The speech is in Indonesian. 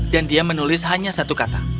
dan dia menulis hanya satu kata